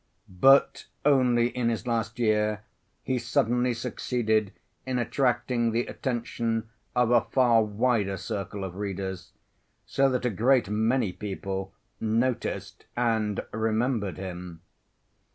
But only in his last year he suddenly succeeded in attracting the attention of a far wider circle of readers, so that a great many people noticed and remembered him.